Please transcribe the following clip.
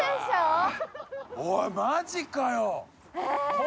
おいマジかよ。